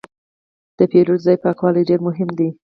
د پیرود ځای پاکوالی ډېر مهم دی.